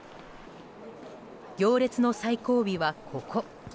行列の最後尾はここ。